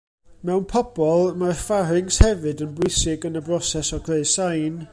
Mewn pobol, mae'r ffaryncs hefyd yn bwysig yn y broses o greu sain.